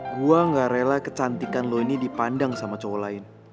gua gak rela kecantikan lo ini dipandang sama cowok lain